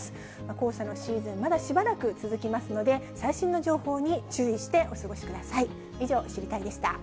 黄砂のシーズン、まだしばらく続きますので、最新の情報に注意してお過ごしください。